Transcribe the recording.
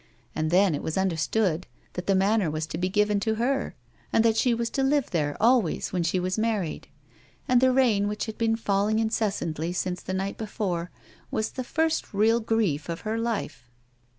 And then it was understood that the manor was to be given to her, and that she was to live there always when she was married ; and the rain which had been falling incessantly since the night before was the first real grief of her life.